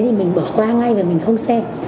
thì mình bỏ qua ngay và mình không xem